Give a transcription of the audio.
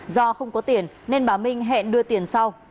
do không có tiền nên bà minh hẹn đưa tiền sau